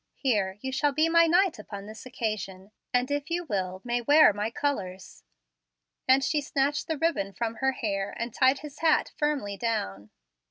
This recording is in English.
Here, you shall be my knight upon this occasion, and, if you will, may wear my colors;" and she snatched the ribbon from her hair, and tied his hat firmly down.